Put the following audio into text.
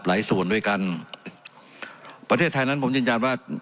ส่วนด้วยกันประเทศไทยนั้นผมยืนยันว่า